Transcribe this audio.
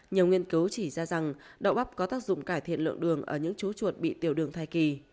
nhiều nghiên cứu chỉ ra rằng đậu bắp có tác dụng cải thiện lượng đường ở những chú chuột bị tiểu đường thai kỳ